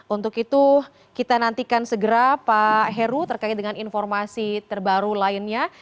untuk itu kita nantikan segera pak heru terkait dengan informasi terbaru lainnya